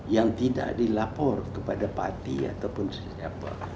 yang tidak dilapor kepada parti atau siapa